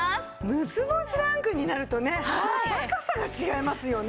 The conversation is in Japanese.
６つ星ランクになるとねもう高さが違いますよね。